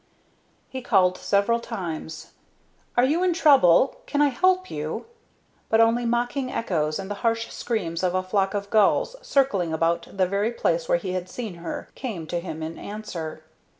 He called several times: "Are you in trouble? Can I help you?" But only mocking echoes, and the harsh screams of a flock of gulls circling about the very place where he had seen her, came to him in answer.